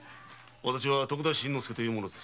私は徳田新之助という者です。